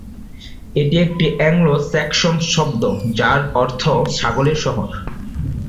এটি একটি অ্যাংলো-স্যাক্সন শব্দ, যার অর্থ "ছাগলের শহর"।